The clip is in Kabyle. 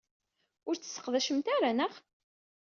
Ur tt-tesseqdacemt ara, naɣ?